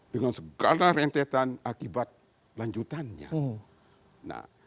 dengan segala rentetan akibat lanjutannya